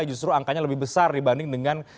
justru angkanya lebih besar dibanding dengan